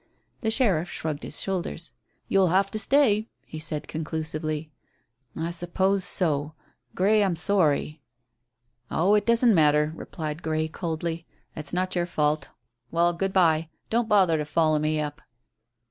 The sheriff shrugged his shoulders. "You'll have to stay," he said conclusively. "I suppose so. Grey, I'm sorry." "Oh, it doesn't matter," replied Grey coldly. "It's not your fault. Well, good bye. Don't bother to follow me up."